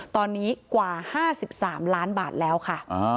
ตอนนี้กว่า๕๓ล้านบาทแล้วค่ะ